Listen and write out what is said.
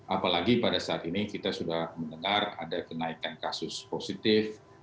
apalagi pada saat ini kita sudah mendengar ada kenaikan kasus positif